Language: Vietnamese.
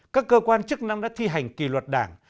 các cơ quan chức năng đã thi hành kỳ luật đảng